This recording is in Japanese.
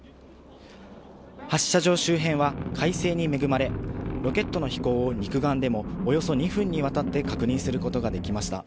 発射場周辺は快晴に恵まれ、ロケットの飛行を肉眼でもおよそ２分にわたって確認することができました。